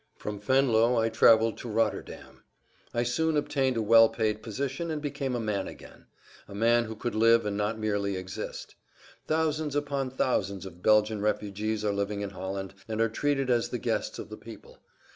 From Venlo I traveled to Rotterdam. I soon obtained a well paid position and [Pg 188]became a man again, a man who could live and not merely exist. Thousands upon thousands of Belgian refugees are living in Holland and are treated as the guests of the people.